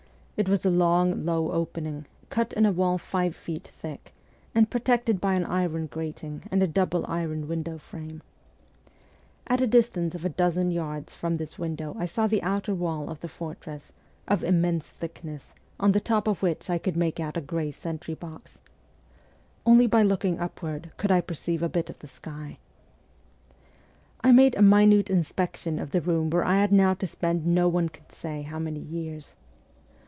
It was a long, low opening, cut in a wall five feet thick, and protected by an iron grating and a double iron window frame. At a distance of a dozen yards from this window I saw the outer wall of the fortress, of immense thickness, on the top THE FOETEESS 143 of which I could make out a grey sentry box. Only by looking upward could I perceive a bit of the sky. I made a minute inspection of the room where I had now to spend no one could say how many years.